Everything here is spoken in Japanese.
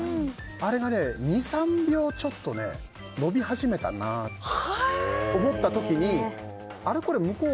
あれが２３秒ちょっと伸び始めたなって思った時、あれ、これは向こう